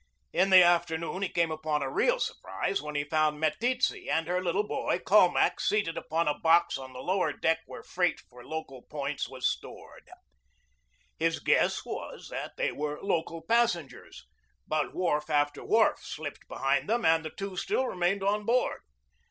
In the afternoon he came upon a real surprise when he found Meteetse and her little boy Colmac seated upon a box on the lower deck where freight for local points was stored. His guess was that they were local passengers, but wharf after wharf slipped behind them and the two still remained on board.